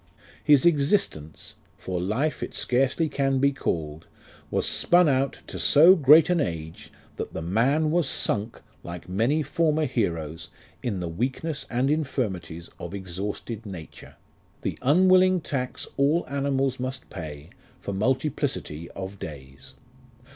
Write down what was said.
His existence (For life it scarcely can be called) Was spun out to so great an age, that The man Was sunk, like many former heroes, in The weakness and infirmities of exhausted nature ; LIFE OF RICHARD NASH. 109 The unwilling tax all animals must pay For multiplicity of days.